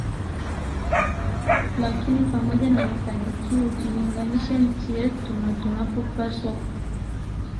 lakini pamoja na mafanikio ukilinganisha nchi yetu na tunapopaswa kuwa